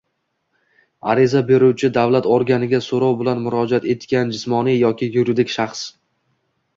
ariza beruvchi — davlat organiga so‘rov bilan murojaat etgan jismoniy yoki yuridik shaxs;